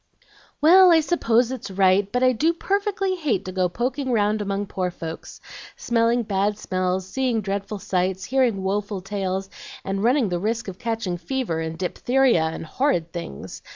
"Well, I suppose it's right, but I do perfectly hate to go poking round among poor folks, smelling bad smells, seeing dreadful sights, hearing woful tales, and running the risk of catching fever, and diphtheria, and horrid things.